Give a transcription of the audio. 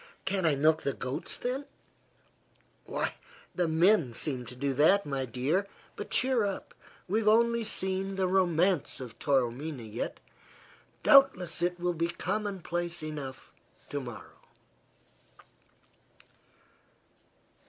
"Can't I milk the goats, then?" "Why, the men seem to do that, dear. But cheer up. We've only seen the romance of Taormina yet; doubtless it will be commonplace enough to morrow."